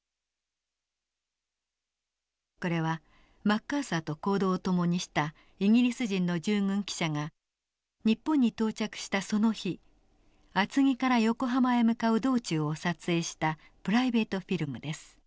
これはマッカーサーと行動を共にしたイギリス人の従軍記者が日本に到着したその日厚木から横浜へ向かう道中を撮影したプライベートフィルムです。